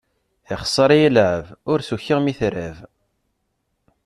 Ixser-iyi llɛeb, ur s-ukiɣ mi trab.